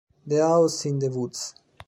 The House in the Woods